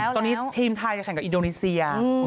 ตอนนี้ทีมไทยจะแข่งกับอินโดนีเซีย